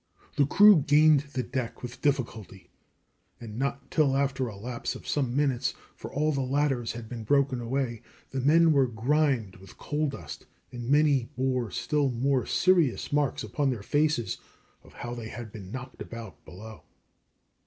The crew gained the deck with difficulty, and not till after a lapse of some minutes, for all the ladders had been broken away; the men were grimed with coal dust, and many bore still more serious marks upon their faces of how they had been knocked about below.